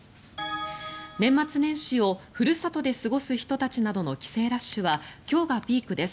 年末年始をふるさとで過ごす人たちなどの帰省ラッシュは今日がピークです。